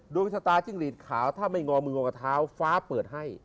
โดยวิทยาตาจิ้งหลีดขาวถ้าไม่งอมือมองกระเท้าฟ้าเปิดให้